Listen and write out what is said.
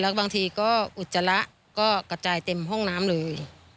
บางทีก็อุจจาระก็กระจายเต็มห้องน้ำเลย